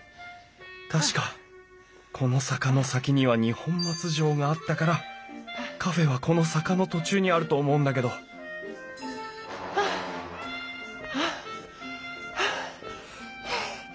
確かこの坂の先には二本松城があったからカフェはこの坂の途中にあると思うんだけどハアハアハアハアハアハア。